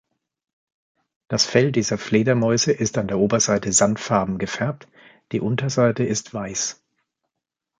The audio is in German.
Das Fell dieser Fledermäuse ist an der Oberseite sandfarben gefärbt, die Unterseite ist weiß.